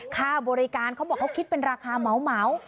ค่าบริการเขาบอกเขาคิดเป็นราคาเหมา